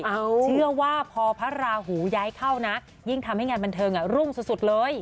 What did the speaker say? เชื่อว่าพอพระราหูย้ายเข้านะยิ่งทำให้งานบันเทิงอ่ะรุ่งสุดเลย